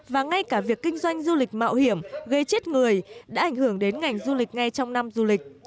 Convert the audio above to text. và ngay cả việc kinh doanh du lịch mạo hiểm gây chết người đã ảnh hưởng đến ngành du lịch ngay trong năm du lịch